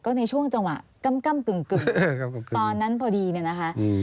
ก็ในช่วงจังหวะกำกำกึ่งกึ่งตอนนั้นพอดีเนี้ยนะคะอืม